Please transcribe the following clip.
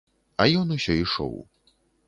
А ён усё ішоў.